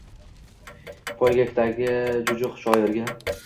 Poygakdagi jujuq shoirga